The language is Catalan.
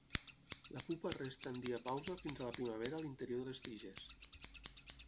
La pupa resta en diapausa fins a la primavera a l'interior de les tiges.